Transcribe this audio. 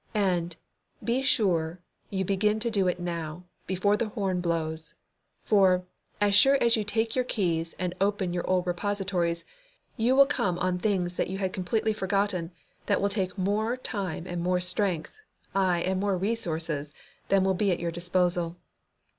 And, be sure you begin to do it now, before the horn blows. For, as sure as you take your keys and open your old repositories, you will come on things you had completely forgotten that will take more time and more strength, ay, and more resources, than will then be at your disposal.